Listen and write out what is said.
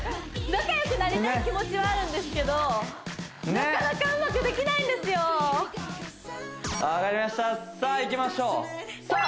仲良くなりたい気持ちはあるんですけどなかなかうまくできないんですよねっわかりましたさあいきましょうさあ